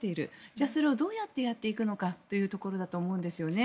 じゃあ、それをどうやってやっていくのかというところだと思うんですね。